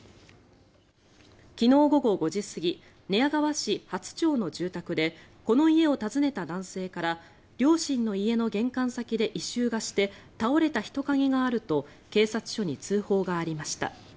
昨日午後５時過ぎ寝屋川市初町の住宅でこの家を訪ねた男性から両親の家の玄関先で異臭がして倒れた人影があると警察署に通報がありました。